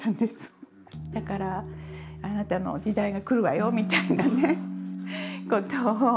だから「あなたの時代が来るわよ」みたいなね事を。